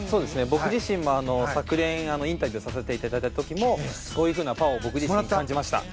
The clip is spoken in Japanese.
僕自身も昨年、インタビューさせてもらった時もそういうふうなパワーを僕自身も感じました。